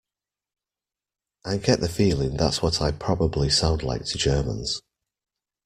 I get the feeling that's what I probably sound like to Germans.